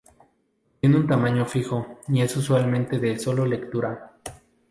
Contiene un tamaño fijo y es usualmente de solo-lectura.